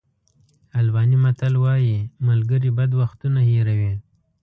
آلباني متل وایي ملګري بد وختونه هېروي.